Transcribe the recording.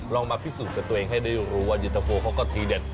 ลองมาพิสูจน์กับตัวเองให้ได้รู้ว่าเย็นตะโฟเขาก็ทีเด็ด